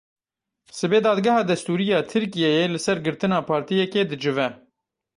Sibê Dadgeha Destûrî ya Tirkiyeyê li ser girtina partiyekê dicive.